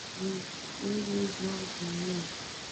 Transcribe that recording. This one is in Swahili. na Ukristo katika Amerika yote na sehemu nyingine za dunia